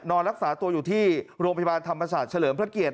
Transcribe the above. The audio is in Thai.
นอนรักษาตัวอยู่ที่โรงพยาบาลธรรมศาสตร์เฉลิมพระเกียรติ